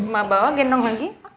mau bawa gendong lagi